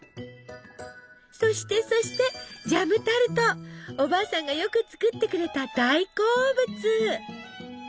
そしてそしておばあさんがよく作ってくれた大好物！